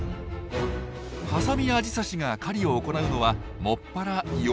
ハサミアジサシが狩りを行うのは専ら夜。